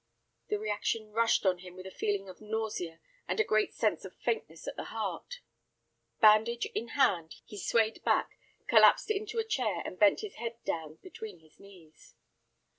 The reaction rushed on him with a feeling of nausea and a great sense of faintness at the heart. Bandage in hand, he swayed back, collapsed into a chair, and bent his head down between his knees.